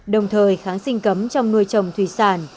đồng thời kháng sinh cấm trong nuôi trồng thủy sản